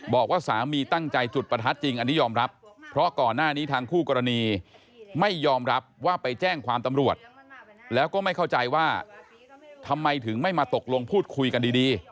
บอกว่าสามีตั้งใจจุดประทัดจริงอันนี้ยอมรับเพราะก่อนหน้านี้ทางคู่กรณีไม่ยอมรับว่าไปแจ้งความตำรวจแล้วก็ไม่เข้าใจว่าทำไมถึงไม่มาตกลงพูดคุยกันดี